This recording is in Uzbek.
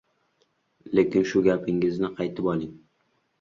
Lekin shu gapingizni qaytib oling.